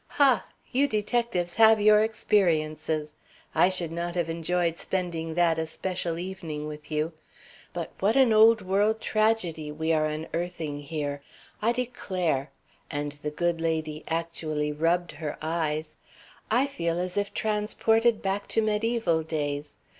"Ha! You detectives have your experiences! I should not have enjoyed spending that especial evening with you. But what an old world tragedy we are unearthing here! I declare" and the good lady actually rubbed her eyes "I feel as if transported back to mediæval days.